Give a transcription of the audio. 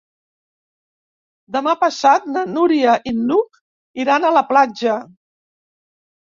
Demà passat na Núria i n'Hug iran a la platja.